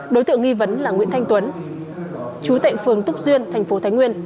đối tượng nghi vấn là nguyễn thanh tuấn chú tệ phường túc duyên thành phố thái nguyên